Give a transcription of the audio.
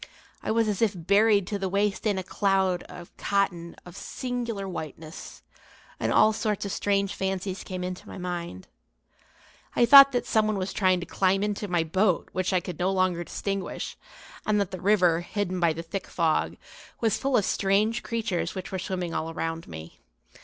I was as if buried to the waist in a cloud of cotton of singular whiteness, and all sorts of strange fancies came into my mind. I thought that someone was trying to climb into my boat which I could no longer distinguish, and that the river, hidden by the thick fog, was full of strange creatures which were swimming all around me.